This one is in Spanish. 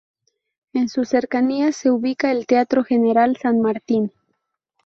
En sus cercanías se ubica el Teatro General San Martín.